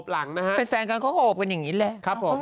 อบหลังนะครับเป็นแฟนกันก็อบกันอย่างนี้เลยครับผม